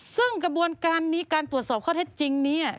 ซึ่งกระบวนการนี้การตรวจสอบข้อเท็จจริงนี้